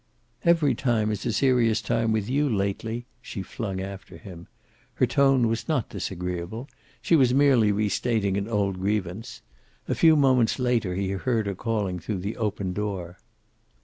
"Every time is a serious time with you lately," she flung after him. Her tone was not disagreeable. She was merely restating an old grievance. A few moments later he heard her calling through the open door.